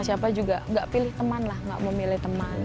siapa juga gak pilih teman lah gak memilih teman